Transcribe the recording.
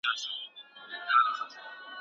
افغانان په کمو وسلو د لویو امپراطوریو مقابله کوي.